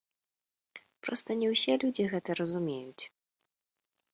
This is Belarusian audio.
Проста не ўсе людзі гэта разумеюць.